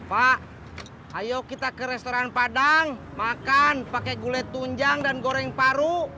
pak ayo kita ke restoran padang makan pakai gulai tunjang dan goreng paru